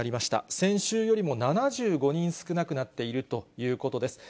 先週よりも７５人少なくなっているということです。